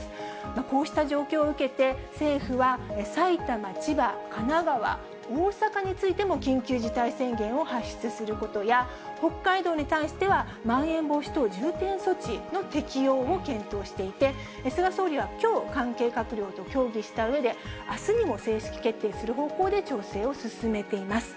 こうした状況を受けて、政府は埼玉、千葉、神奈川、大阪についても緊急事態宣言を発出することや、北海道に対しては、まん延防止等重点措置の適用を検討していて、菅総理はきょう、関係閣僚と協議したうえで、あすにも正式決定する方向で調整を進めています。